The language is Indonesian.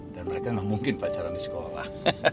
dan mereka gak mungkin pacaran di sekolah